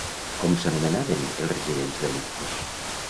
Com s'anomenaven els residents de Lictos?